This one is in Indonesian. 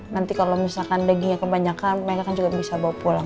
nanti kalau misalkan dagingnya kebanyakan mereka kan juga bisa bawa pulang